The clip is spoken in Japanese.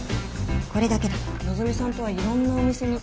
これだけだ望さんとはいろんなお店に。